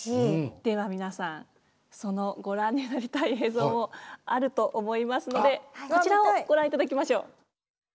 では皆さんそのご覧になりたい映像あると思いますのでこちらをご覧いただきましょう。